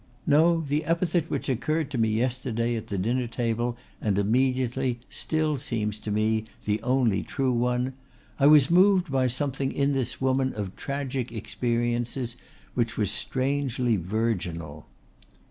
"No, the epithet which occurred to me yesterday at the dinner table and immediately, still seems to me the only true one I was moved by something in this woman of tragic experiences which was strangely virginal."